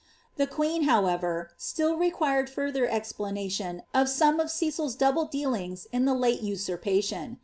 The queen, however, olill required further expUh nation of same of Cecil's double dealing in the late neurpalinn.